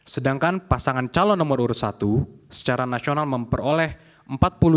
sedangkan pasangan calon nomor satu yang terkait dengan pengurangan suara hanya berjumlah lima belas suara